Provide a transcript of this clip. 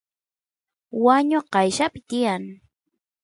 wañu qayllapi tiyan